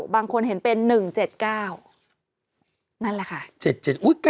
บางคนเห็นเป็น๑๗๙นั่นแหละค่ะ